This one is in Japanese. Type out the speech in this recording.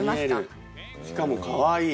しかもかわいい。